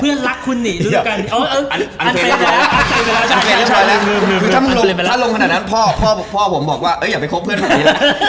เพื่อนรักคุณหนิอ๋ออันเตยไปแล้วถ้าลงขนาดนั้นพ่อผมบอกว่าอย่าไปครบเพื่อนของนี้